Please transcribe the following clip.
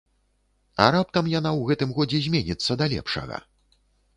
А раптам яна ў гэтым годзе зменіцца да лепшага?